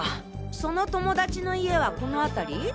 その友達の家はこの辺り？